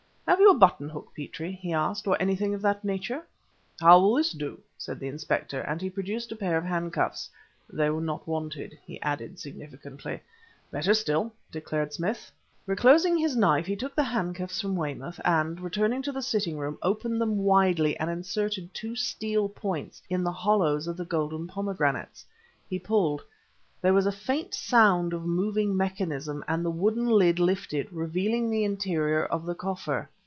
"Have you a button hook, Petrie," he asked, "or anything of that nature?" "How will this do?" said the Inspector, and he produced a pair of handcuffs. "They were not wanted," he added significantly. "Better still," declared Smith. Reclosing his knife, he took the handcuffs from Weymouth, and, returning to the sitting room, opened them widely and inserted two steel points in the hollows of the golden pomegranates. He pulled. There was a faint sound of moving mechanism and the wooden lid lifted, revealing the interior of the coffer.